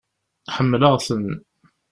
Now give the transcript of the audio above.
Ḥemmleɣ-ten.